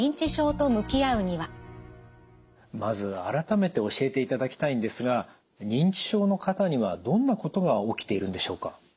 まず改めて教えていただきたいんですが認知症の方にはどんなことが起きているんでしょうか？